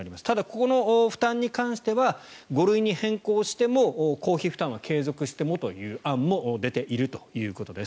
この負担に関しては５類に変更しても公費負担は継続してもという案も出ているということです。